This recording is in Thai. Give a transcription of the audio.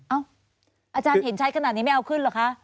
อาจารย์เห็นชัดขนาดนี้ไม่เอาขึ้นเหรอคะ